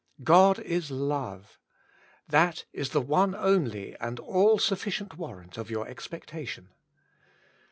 God is Love! That is the one only and all sufficient warrant of your expectation.